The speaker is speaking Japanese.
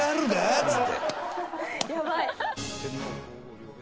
やばい。